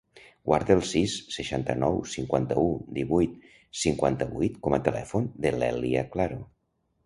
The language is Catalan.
Guarda el sis, seixanta-nou, cinquanta-u, divuit, cinquanta-vuit com a telèfon de l'Èlia Claro.